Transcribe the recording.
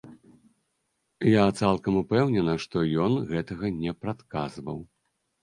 Я цалкам упэўнена, што ён гэтага не прадказваў.